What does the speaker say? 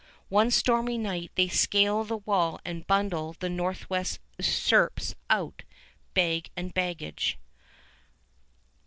One stormy night they scale the wall and bundle the Northwest usurpers out, bag and baggage.